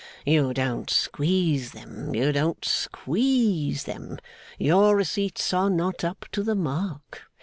You don't squeeze them. You don't squeeze them. Your receipts are not up to the mark.